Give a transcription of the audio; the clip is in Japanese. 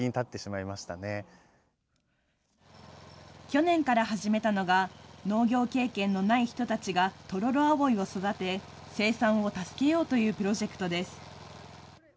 去年から始めたのが、農業経験のない人たちがトロロアオイを育て、生産を助けようというプロジェクトです。